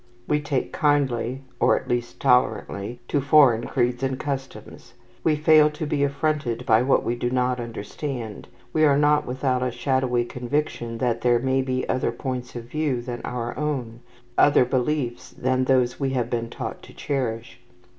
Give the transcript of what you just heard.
We take kindly, or at least tolerantly, to foreign creeds and customs. We fail to be affronted by what we do not understand. We are not without a shadowy conviction that there may be other points of view than our own, other beliefs than those we have been taught to cherish.